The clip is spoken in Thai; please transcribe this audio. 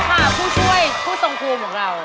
นี่แหละค่ะผู้ช่วยผู้ทรงภูมิของเรา